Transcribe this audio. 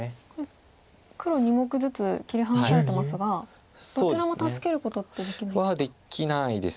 黒２目ずつ切り離されてますがどちらも助けることってできない？はできないです。